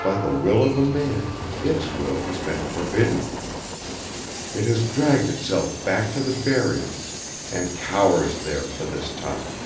By the will of a man Its will has been forbidden. It has dragged Itself back to the Barrier and cowers there for this time.